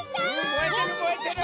もえてるもえてる！